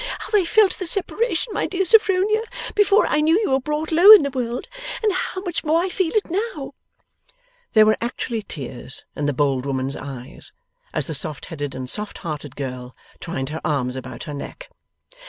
how I felt the separation, my dear Sophronia, before I knew you were brought low in the world, and how much more I feel it now!' There were actually tears in the bold woman's eyes, as the soft headed and soft hearted girl twined her arms about her neck.